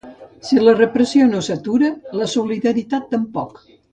Si la repressió no s'atura, la solidaritat tampoc.